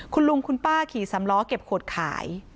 คุณลุงคุณป้าขี่สำล้อเก็บขวดขาย